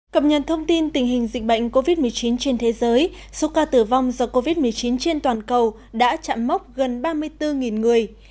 cập nhật thông tin tình hình dịch bệnh covid một mươi chín trên thế giới số ca tử vong do covid một mươi chín trên toàn cầu đã chạm mốc gần ba mươi bốn người